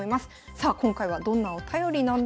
さあ今回はどんなお便りなんでしょうか。